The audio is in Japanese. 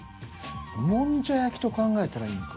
もんじゃ焼きと考えたらいいんか。